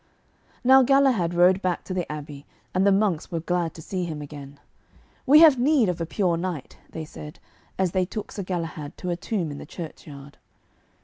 Now Galahad rode back to the abbey, and the monks were glad to see him again. 'We have need of a pure knight,' they said, as they took Sir Galahad to a tomb in the churchyard.